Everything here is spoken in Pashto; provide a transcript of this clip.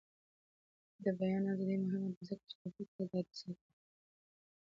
د بیان ازادي مهمه ده ځکه چې د فکر ازادي ساتي.